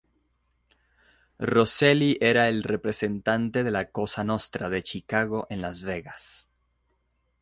Roselli era el representante de la Cosa Nostra de Chicago en Las Vegas.